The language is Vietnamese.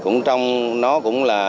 nó cũng là